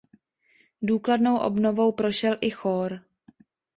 Důkladnou obnovou prošel i chór.